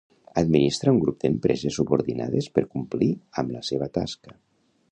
Administra a un grup d'empreses subordinades per complir amb la seva tasca.